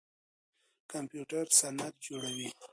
کمپيوټر سند جوړوي.